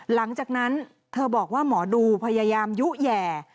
หลังจากนั้นเธอบอกว่าหมอดูพยายามยุแห่